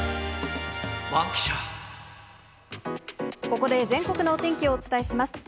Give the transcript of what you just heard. ここで全国のお天気をお伝えします。